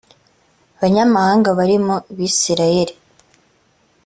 banyamahanga bari mu bisirayeli